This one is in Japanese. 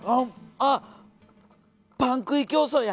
あっパン食い競争や。